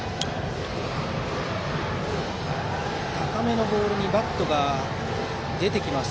高めのボールにバットが出てきます。